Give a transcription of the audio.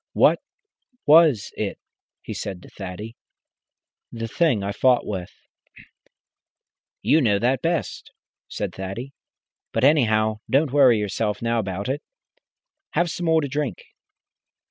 "What was it?" he said to Thaddy "the Thing I fought with?". "You know that best," said Thaddy. "But, anyhow, don't worry yourself now about it. Have some more to drink."